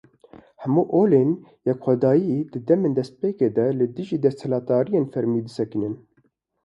Hemû olên yekxwedayî, di demên destpêkê de li dijî desthilatdariyên fermî disekinîn.